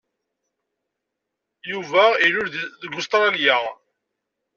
Yuba ilul deg Ustṛalya.